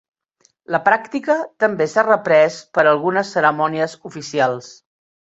La pràctica també s'ha reprès per algunes cerimònies oficials.